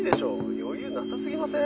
余裕なさすぎません？」。